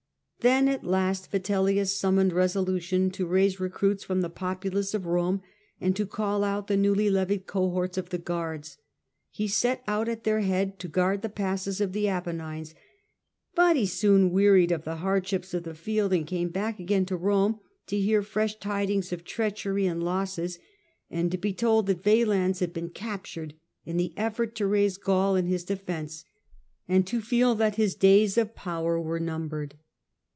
Then, at last, Vitellius summoned reso lution to raise recruits from the populace of Rome, and to call out the newly levied cohorts of the guards. He set out at their head to guard the passes of the Apennines, but he soon wearied of the hardships of the field, and came back again to Rome to hear fresh tidings of treach ery and losses, and to be told that Valens had been captured in the effort to raise Gaul in his defence, and to feel that his days of power were numbered.